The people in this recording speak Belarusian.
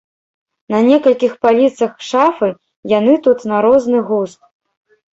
На некалькіх паліцах шафы яны тут на розны густ.